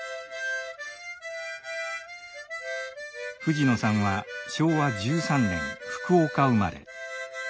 藤野さんは昭和１３年福岡生まれ。